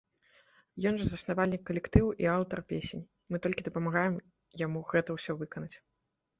Ён жа заснавальнік калектыву і аўтар песень, мы толькі дапамагаем яму гэта ўсё выканаць.